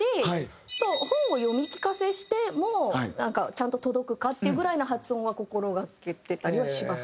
あと本を読み聞かせしてもちゃんと届くかっていうぐらいな発音は心がけてたりはします